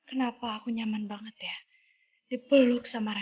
hai kenapa aku nyaman banget ya dipeluk sama raja